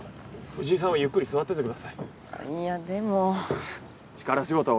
藤井さんはゆっくり座っててください。